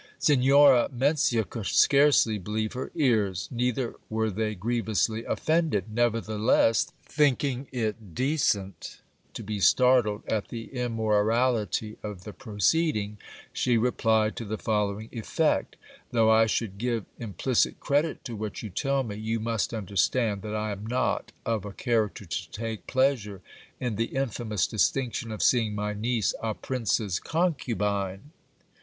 Signora Mencia could scarcely believe her ears ; neither were they grievously offended. Nevertheless, thinking it decent to be startled at the immorality of the proceeding, she replied to the following effect : Though I should give im plicit credit to what you tell me, you must understand that I am not of a cha racter to take pleasure in the infamous distinction of seeing my niece a prince's concubine.